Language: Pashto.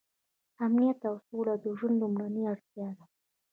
امنیت او سوله د ژوند لومړنۍ اړتیا ده.